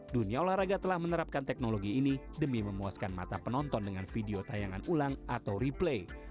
dunia olahraga telah menerapkan teknologi ini demi memuaskan mata penonton dengan video tayangan ulang atau replay